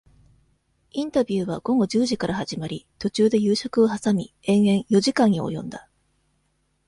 インタビューは、午後十時から始まり、途中で夕食をはさみ、延々、四時間に及んだ。